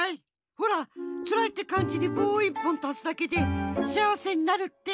ほら「辛い」ってかんじにぼうをいっぽんたすだけで「幸せ」になるって。